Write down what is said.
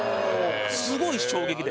すごい衝撃で。